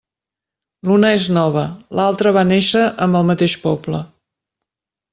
L'una és nova, l'altra va néixer amb el mateix poble.